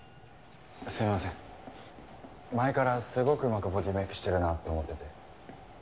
前からすごくうまくボディメイクしてるなと思ってて。